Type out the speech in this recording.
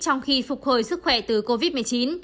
trong khi phục hồi sức khỏe từ covid một mươi chín